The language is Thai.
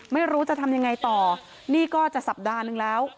ไม่รู้จะทำยังไงต่อนี่ก็จะสัปดาห์นึงแล้ว